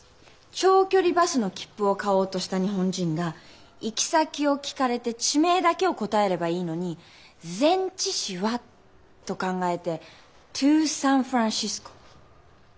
長距離バスの切符を買おうとした日本人が行き先を聞かれて地名だけを答えればいいのに「前置詞は？」と考えて「トゥサンフランシスコ」と。